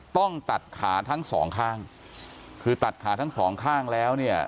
ต้องตัดขาทั้งสองข้างคือตัดขาทั้งสองข้างแล้วเนี่ย